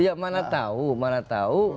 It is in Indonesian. ya mana tahu mana tahu